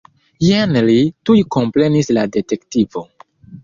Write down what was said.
Jen li, tuj komprenis la detektivo.